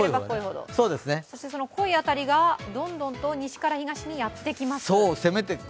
濃い辺りがどんどんと西から東にやってきます。